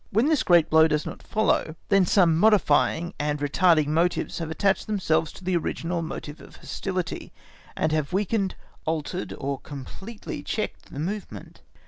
When this great blow does not follow, then some modifying, and retarding motives have attached themselves to the original motive of hostility, and have weakened, altered or completely checked the movement.